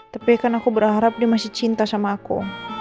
tapi kan aku berharap dia masih cinta sama aku